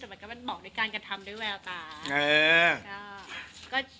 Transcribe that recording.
แต่มันก็มันบอกด้วยการกระทำด้วยแววตา